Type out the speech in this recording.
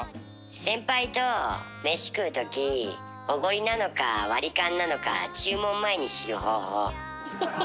先輩と飯食うときおごりなのか割り勘なのか注文前に知る方法。